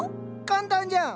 簡単じゃん！